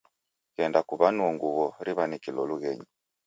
Ghenda kuw'anuo nguw'o riw'anikilo lughenyi.